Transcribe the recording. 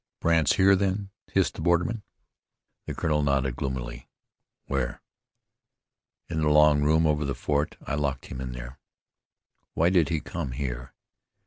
"Brandt's here, then?" hissed the borderman. The colonel nodded gloomily. "Where?" "In the long room over the fort. I locked him in there." "Why did he come here?"